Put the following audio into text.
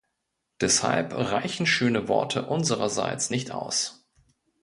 Deshalb reichen schöne Worte unsererseits nicht aus.